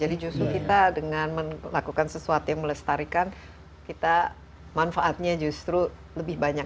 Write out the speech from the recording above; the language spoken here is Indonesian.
jadi justru kita dengan melakukan sesuatu yang melestarikan kita manfaatnya justru lebih banyak